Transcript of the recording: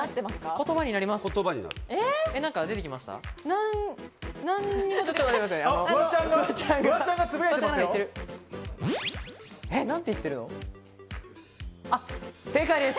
言葉になります。